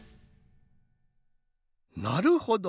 なるほど。